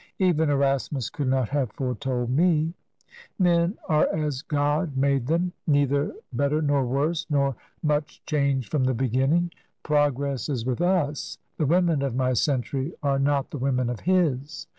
Even Erasmus could not have foretold me. Men are as God made them, — neither TRANSITION. 7 better nor worse, nor much changed from the beginning. Progress is with us. The women of my century are not the women of his.